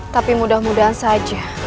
tapi mudah mudahan saja